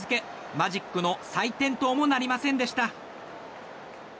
マジックの再点灯もなりませんでした。